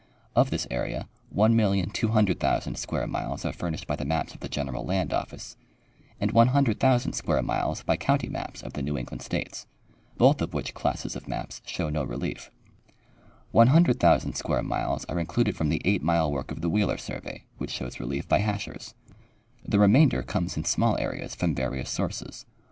Of this area, 1,200,000 square miles are furnished by the maps of the General Land office and 100,000 square miles by county maps of the New England states, both of which classes of maps show no relief. 100,000 square miles are included from the 8 mile work of the Wheeler survey, which shows relief by hachures. The remainder comes in small areas from various sources.